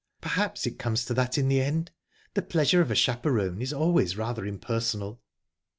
"Perhaps it comes to that in the end. The pleasure of a chaperon is always rather impersonal."